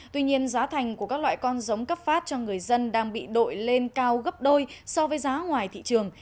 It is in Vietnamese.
tuy nhiên giá thành của các loại con giống cấp phát cho người dân đang bị đội lên cao gấp đôi so với giá ngoài thị trường